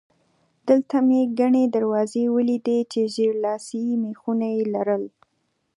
دلته مې ګڼې دروازې ولیدې چې ژېړ لاسي مېخونه یې لرل.